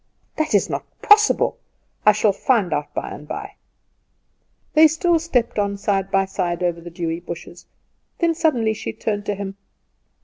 "That is not possible. I shall find out by and by." They still stepped on side by side over the dewy bushes. Then suddenly she turned on him.